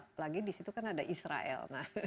tidak lagi di situ kan ada israel